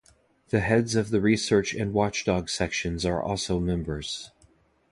The heads of the Research and Watchdog Sections are also members.